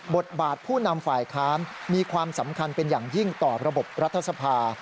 บทบาทผู้นำฝ่ายค้านมีความสำคัญเป็นอย่างยิ่งต่อระบบรัฐสภา